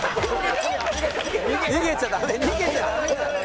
「逃げちゃダメ逃げちゃダメだって」